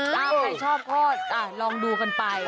ถ้าใครชอบก็ลองดูกันไป